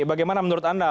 bagaimana menurut anda